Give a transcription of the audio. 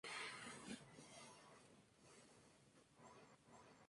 Con el tiempo, Lancaster fue excluido de la sociedad por diversas razones.